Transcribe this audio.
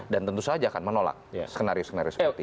dan tentu saja akan menolak skenario skenario seperti itu